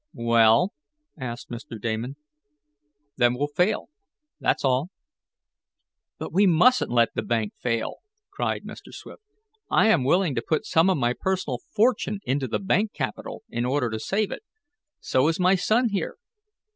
"Well?" asked Mr. Damon. "Then we'll fail that's all." "But we mustn't let the bank fail!" cried Mr. Swift. "I am willing to put some of my personal fortune into the bank capital in order to save it. So is my son here."